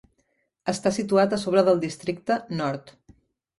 Està situat a sobre del districte "Nord".